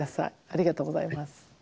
ありがとうございます。